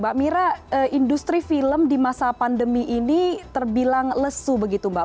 mbak mira industri film di masa pandemi ini terbilang lesu begitu mbak